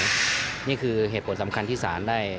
นี่คือเหตุผลสำคัญที่ศาลได้